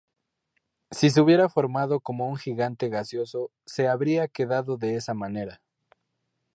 Si se hubiera formado como un gigante gaseoso, se habría quedado de esa manera.